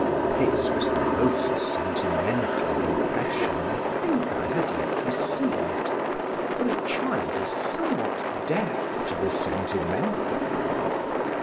This was the most sentimental impression I think I had yet received, for a child is somewhat deaf to the sentimental.